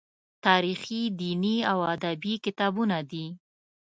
تاریخي، دیني او ادبي کتابونه دي.